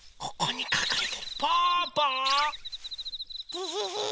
デヘヘ。